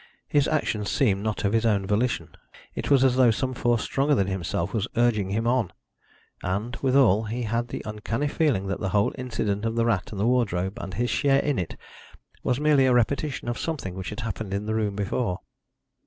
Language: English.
His actions seemed not of his own volition; it was as though some force stronger than himself was urging him on. And, withal, he had the uncanny feeling that the whole incident of the rat and the wardrobe, and his share in it, was merely a repetition of something which had happened in the room before.